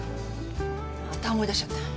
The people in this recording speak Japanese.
また思い出しちゃった。